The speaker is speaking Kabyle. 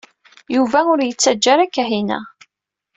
Yuba ur yettaǧǧa ara Kahina.